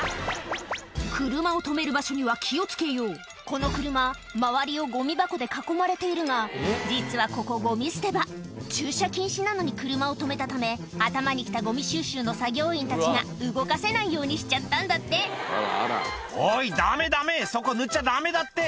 車を止める場所には気を付けようこの車周りをゴミ箱で囲まれているが実はここゴミ捨て場駐車禁止なのに車を止めたため頭にきたゴミ収集の作業員たちが動かせないようにしちゃったんだって「おいダメダメそこ塗っちゃダメだって」